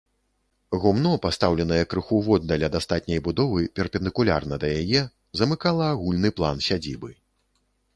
Гумно, пастаўленае крыху воддаль ад астатняй будовы, перпендыкулярна да яе, замыкала агульны план сядзібы.